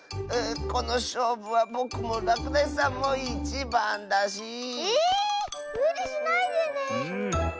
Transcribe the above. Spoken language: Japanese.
このしょうぶはぼくもらくだしさんもいちばんだし。えむりしないでね。